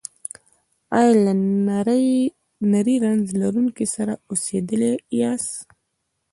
ایا له نري رنځ لرونکي سره اوسیدلي یاست؟